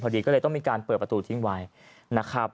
พอดีก็เลยต้องมีการเปิดประตูทิ้งไว้นะครับ